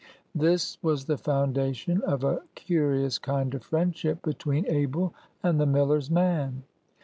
This was the foundation of a curious kind of friendship between Abel and the miller's man.